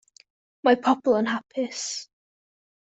Mae pobl yn hapus.